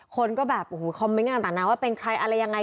คนก็แบบโอ้โหคอมเมนต์กันต่างนาว่าเป็นใครอะไรยังไง